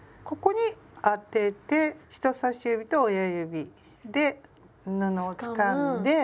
ここに当てて人さし指と親指で布をつかんで。